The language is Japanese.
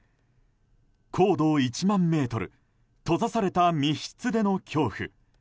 高度１万ｍ閉ざされた密室での恐怖。